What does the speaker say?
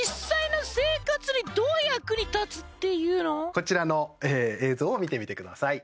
こちらの映像を見てみてください